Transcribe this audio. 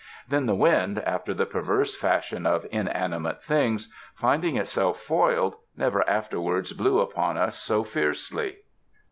Then the wind, after the perverse fashion of inanimate things, finding itself foiled, never afterwards blew upon us so fiercely.